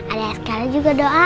ada yang sekali juga doain